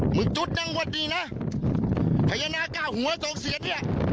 มึงจุดนั่งงวดนี้นะพัยยนาก้าวหัวสองเสียเนี้ย